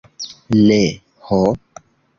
Ne, ho!